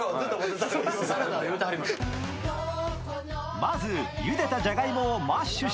まずゆでたじゃがいもをマッシュし。